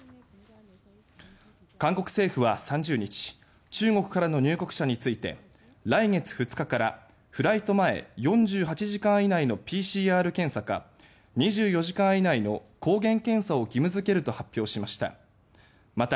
韓国政府は３０日中国からの入国者について来月２日からフライト前４８時間以内のＰＣＲ検査か２４時間以内の抗原検査を義務付けると発表しました。